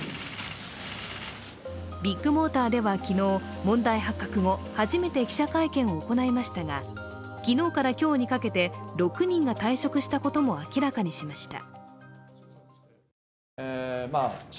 ビッグモーターでは昨日、問題発覚後初めて記者会見を行いましたが昨日から今日にかけて６人が退職したことも明らかにしました。